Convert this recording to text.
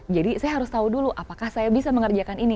jadi saya harus tahu dulu apakah saya bisa mengerjakan ini